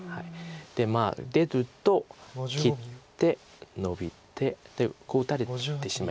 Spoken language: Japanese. まあ出ると切ってノビてでこう打たれてしまいます。